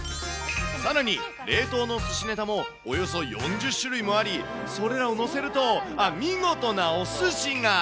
さらに、冷凍のすしネタもおよそ４０種類もあり、それらを載せると、あ、見事なおすしが。